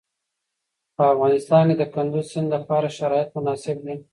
په افغانستان کې د کندز سیند لپاره شرایط مناسب دي.